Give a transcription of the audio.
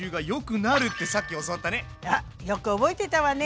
あっよく覚えてたわね。